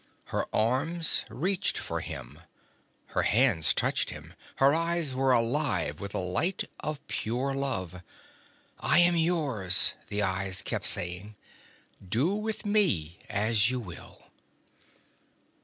Her arms reached for him. Her hands touched him. Her eyes were alive with the light of pure love. I am yours, the eyes kept saying. Do with me as you will.